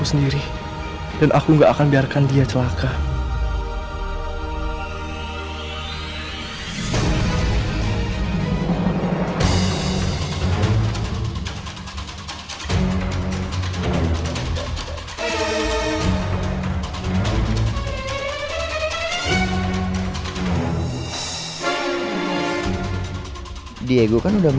jangan jangan terjadi sesuatu di dalam